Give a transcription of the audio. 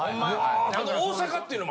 あと大阪っていうのも。